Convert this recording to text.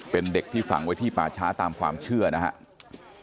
เป็นเด็กที่ฝังไว้ที่ป่าช้าตามความเชื่อนะครับ